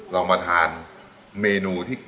ลองมาทานเมนูที่